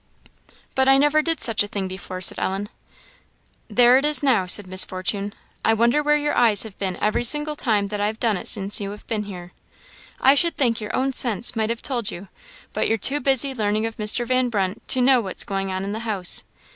"But I never did such a thing before," said Ellen. "There it is now!" said Miss Fortune. "I wonder where your eyes have been every single time that I have done it since you have been here. I should think your own sense might have told you! But you're too busy learning of Mr. Van Brunt to know what's going on in the house.